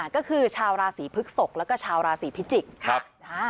ก็คือชาวราศีพึกศกและก็ชาวราศีพิจิกครับ